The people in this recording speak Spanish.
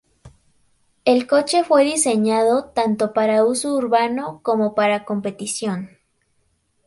El coche fue diseñado tanto para uso urbano como para competición.